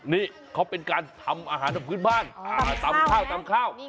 นี่เขาเป็นการทำอาหารพื้นบ้านตำข้าว